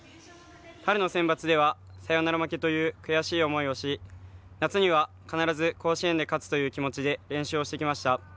春のセンバツではサヨナラ負けという悔しい思いをし夏には必ず、甲子園で勝つという気持ちで練習をしてきました。